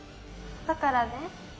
だからね